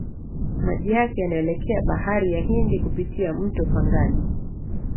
Maji yake yanaelekea Bahari ya Hindi kupitia mto Pangani.